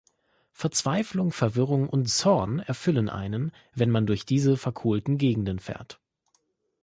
Verzweiflung, Verwirrung und Zorn erfüllen einen, wenn man durch diese verkohlten Gegenden fährt.